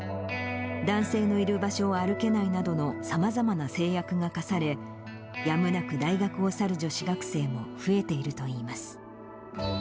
男性のいる場所を歩けないなどの、さまざまな制約が課され、やむなく大学を去る女子学生も増えているといいます。